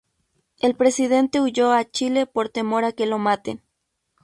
El Presidente huyó a Chile por temor a que lo maten.